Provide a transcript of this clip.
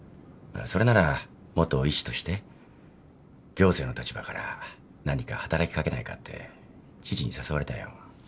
それなら元医師として行政の立場から何か働きかけないかって知事に誘われたよ。